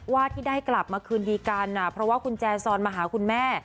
ว่าที่ได้กลับมาคืนดีกันเพราะว่าคุณแจซอนมาหาคุณแม่